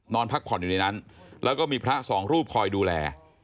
พักผ่อนอยู่ในนั้นแล้วก็มีพระสองรูปคอยดูแล